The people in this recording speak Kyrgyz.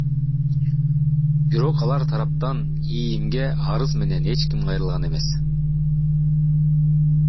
Бирок алар тараптан ИИМге арыз менен эч ким кайрылган эмес.